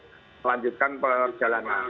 untuk selanjutkan perjalanan